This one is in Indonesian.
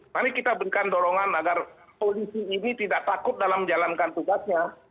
mari kita berikan dorongan agar polisi ini tidak takut dalam menjalankan tugasnya